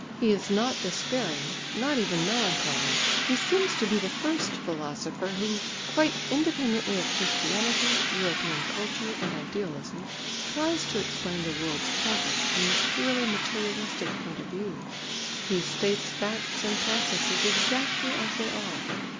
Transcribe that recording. He is not despairing, not even melancholy. He seems to be the first philosopher who, quite independently of Christianity, European culture and idealism, tries to explain the world's progress from the purely materialistic point of view. He states facts and processes exactly as they are.